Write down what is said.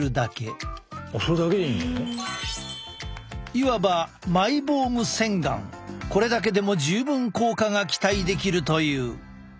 いわばこれだけでも十分効果が期待できるという。